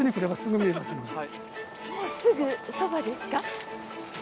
もうすぐそばですか？